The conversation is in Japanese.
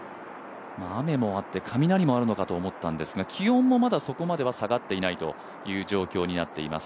雨もあって、雷もあるのかと思ったんですが、気温もまだそこまでは下がっていないという状況になっています。